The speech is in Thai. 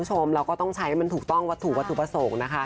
และก็หาก็ต้องใช้ให้มันถูกต้องว่าถูกว่าถูประสงค์นะฮะ